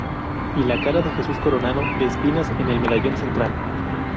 Y la cara de Jesús coronado de espinas en el medallón central.